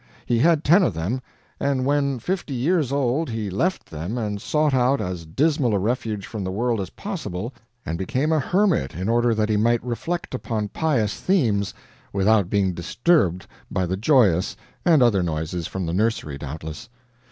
He had ten of them, and when fifty years old he left them, and sought out as dismal a refuge from the world as possible, and became a hermit in order that he might reflect upon pious themes without being disturbed by the joyous and other noises from the nursery, doubtless.